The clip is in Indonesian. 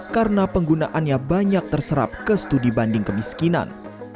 karena penggunaannya banyak terserap ke studi banding kemiskinan